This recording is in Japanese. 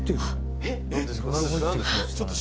「えっ？」